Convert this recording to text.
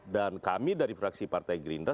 dan kami dari fraksi partai gerindra